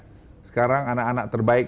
sekarang anak anak terbaik